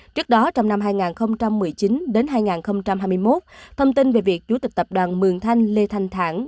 trước đó trong năm hai nghìn một mươi chín hai nghìn hai mươi một thông tin về việc chủ tịch tập đoàn mường thanh lê thanh thản